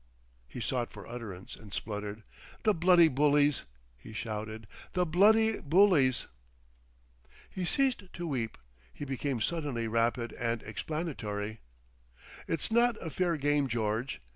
He sought for utterance, and spluttered. "The Bloody bullies!" he shouted. "The Bloody Bullies." He ceased to weep. He became suddenly rapid and explanatory. "It's not a fair game, George.